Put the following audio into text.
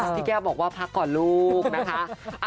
พี่แก้วบอกว่าพักก่อนลูกนะคะ